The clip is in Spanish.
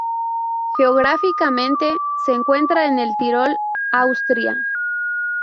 Geográficamente se encuentra en el Tirol, Austria.